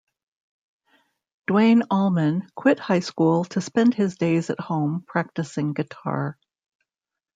Duane Allman quit high school to spend his days at home practicing guitar.